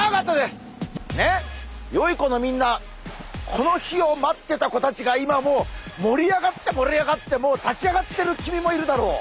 よいこのみんなこの日を待ってた子たちが今もう盛り上がって盛り上がって立ち上がってる君もいるだろう！